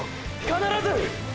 必ず！！